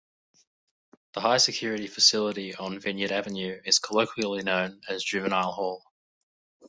The high-security facility on Vineyard Avenue is colloquially known as juvenile hall.